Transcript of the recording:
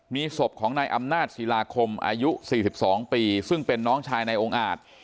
มีศพของนายอำนาจศิลาคมอายุ๔๒ปีซึ่งเป็นน้องชายนายองค์อาจ